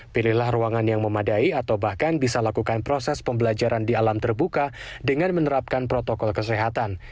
pilihlah ruangan yang memadai atau bahkan bisa lakukan proses pembelajaran di alam terbuka dengan menerapkan protokol kesehatan